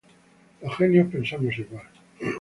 Los genios pensamos igual.